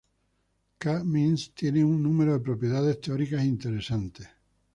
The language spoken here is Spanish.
K-means tiene un número de propiedades teóricas interesantes.